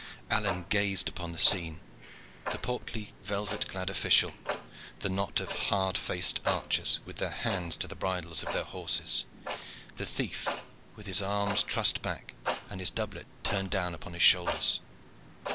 Alleyne gazed upon the scene the portly velvet clad official, the knot of hard faced archers with their hands to the bridles of their horses, the thief with his arms trussed back and his doublet turned down upon his shoulders.